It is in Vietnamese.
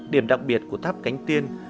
điểm đặc biệt của tháp cánh tiên